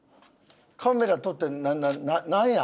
カメラ撮ってなんや？